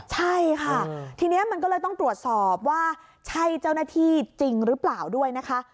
ใช่ค่ะทีนี้มันก็เลยต้องตรวจสอบว่าใช่เจ้าหน้าที่จริงหรือเปล่าด้วยนะคะ